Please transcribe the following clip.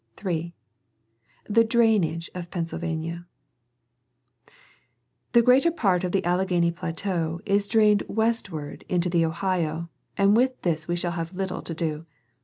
3. The drainage of Pennsylvania. — The greater part of the Alleghany plateau is drained westward into the Ohio, and with this we shall have little to do.